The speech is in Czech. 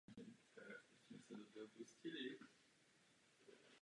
Brzy v sobě objevil básnický talent a lásku k hudbě.